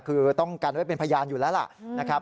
คือต้องกันไว้เป็นพยานอยู่แล้วล่ะนะครับ